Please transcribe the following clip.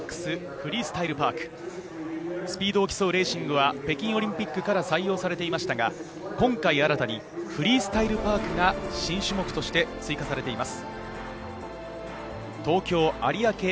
フリースタイル・パーク、スピードを競うレーシングは北京オリンピックから採用されていましたが、今回、新たにフリースタイル・パークが新種目として追加されています。